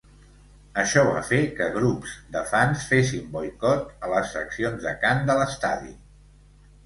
Això va fer que grups de fans fessin boicot a les seccions de cant de l'estadi.